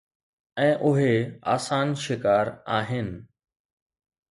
۽ اهي آسان شڪار آهن